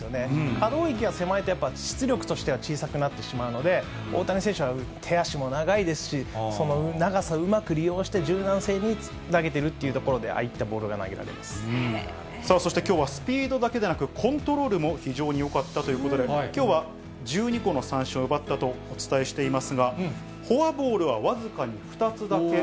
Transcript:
可動域が狭いと、やっぱり出力としては小さくなってしまうので、大谷選手は手足も長いですし、その長さをうまく利用して、柔軟性に投げてるっていうところで、ああいったボールが投げられそしてきょうはスピードだけでなく、コントロールも非常によかったということで、きょうは１２個の三振を奪ったとお伝えしていますが、フォアボールは僅かに２つだけ。